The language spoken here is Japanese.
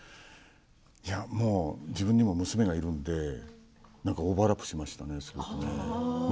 いや、もう自分にも娘がいるんでオーバーラップしましたね。